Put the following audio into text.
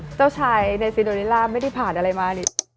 เจ้าชายในซีโดริล่าไม่ได้ผ่านอะไรมานี่